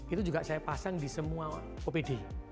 itu juga saya pasang di semua opd